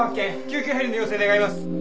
救急ヘリの要請願います。